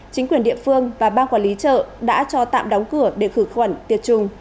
chính quyền địa phương và ba quản lý chợ đã cho tạm đóng cửa để khử khuẩn tiệt trùng